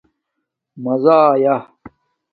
مزہ آیݳ؟